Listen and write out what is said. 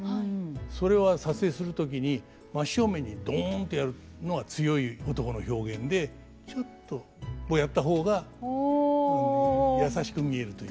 それは撮影する時に真っ正面にどんとやるのは強い男の表現でちょっとこうやった方が優しく見えるという。